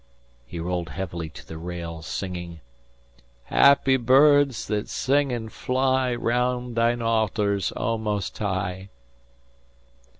He rolled heavily to the rail, singing: "Happy birds that sing and fly Round thine altars, O Most High!"